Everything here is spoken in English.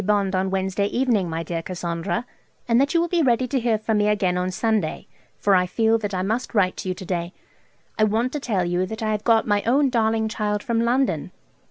Bond on Wednesday evening, my dear Cassandra, and that you will be ready to hear from me again on Sunday, for I feel that I must write to you to day. I want to tell you that I have got my own darling child from London.